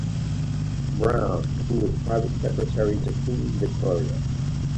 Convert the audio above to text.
Brown' - who was Private Secretary to Queen Victoria.